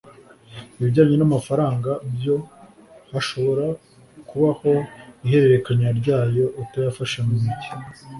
ibijyanye n’amafaranga byo hashobora kubaho ihererekanya ryayo utayafashe mu ntoki